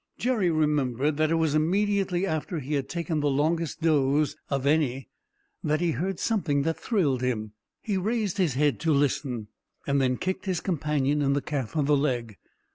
Jerry remembered that it was immediately after he had taken the longest doze of any that he heard something that thrilled him. He raised his head to listen, and then kicked his companion in the calf of the leg.